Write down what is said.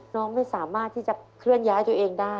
น้องไม่สามารถที่จะเคลื่อนย้ายตัวเองได้